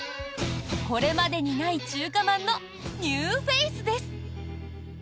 これまでにない中華まんのニューフェースです。